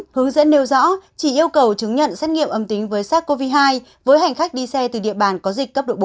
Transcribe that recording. hướng dẫn nêu rõ chỉ yêu cầu chứng nhận xét nghiệm âm tính với sars cov hai với hành khách đi xe từ địa bàn có dịch cấp độ bốn